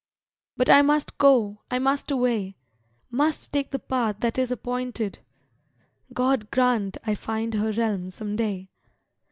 But I must go! I must away! Must take the path that is appointed! God grant I find her realm some day!